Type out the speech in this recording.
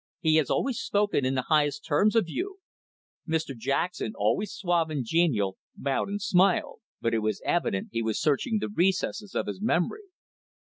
He has always spoken in the highest terms of you." Mr Jackson, always suave and genial, bowed and smiled. But it was evident he was searching the recesses of his memory.